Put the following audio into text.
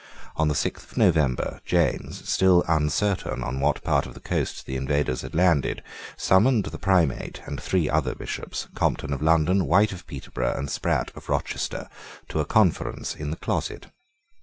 On the sixth of November James, still uncertain on what part of the coast the invaders had landed, summoned the Primate and three other Bishops, Compton of London, White of Peterborough, and Sprat of Rochester, to a conference in the closet.